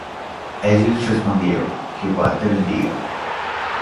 Y ellos respondieron: Jehová te bendiga.